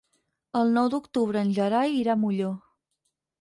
El nou d'octubre en Gerai irà a Molló.